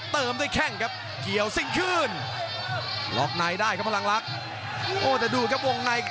เติมด้วยแข่งครับเกี่ยวซิงค์คืนล็อกไนได้ครับพลังลักษณ์โอ้แต่ดูครับวงใน